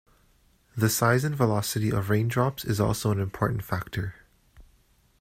The size and velocity of rain drops is also an important factor.